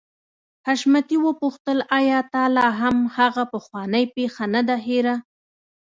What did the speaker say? حشمتي وپوښتل آيا تا لا هم هغه پخوانۍ پيښه نه ده هېره.